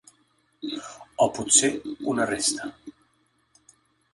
O potser una resta.